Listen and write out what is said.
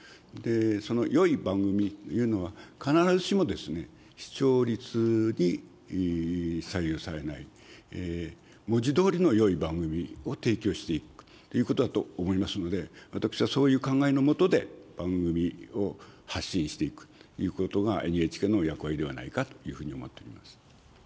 そのよい番組というのは、必ずしも視聴率に左右されない、文字どおりのよい番組を提供していくということだと思いますので、私はそういう考えの下で番組を発信していくということが、ＮＨＫの役割ではないかというふうに思っております。